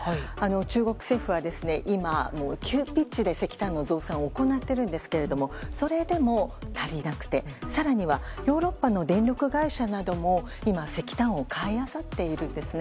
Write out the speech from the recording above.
中国政府は今、急ピッチで石炭の増産を行っているんですけどもそれでも足りなくて、更にはヨーロッパの電力会社なども今、石炭を買いあさっているんですね。